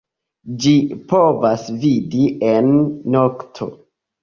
Ĝi povas vidi en nokto.